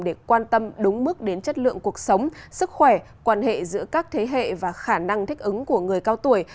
để quan tâm đúng mức đến chất lượng cuộc sống sức khỏe quan hệ giữa các thế hệ và khả năng thích ứng của người cao tuổi